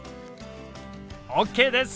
ＯＫです！